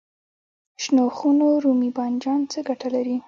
د شنو خونو رومي بانجان څه ګټه لري؟